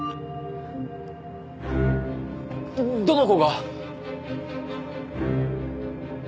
どの子が？